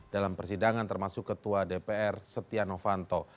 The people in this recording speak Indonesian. dalam persidangan termasuk ketua dpr setia novanto